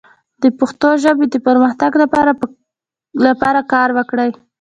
د پښتو ژبې د پرمختګ لپاره کار وکړئ.